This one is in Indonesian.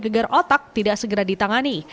geger otak tidak segera ditangani